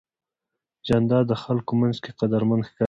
جانداد د خلکو منځ کې قدرمن ښکاري.